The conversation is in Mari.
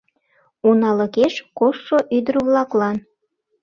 УНАЛЫКЕШ КОШТШО ӰДЫР-ВЛАКЛАН